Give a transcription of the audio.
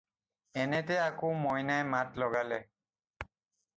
এনেতে আকৌ মইনাই মাত লগালে।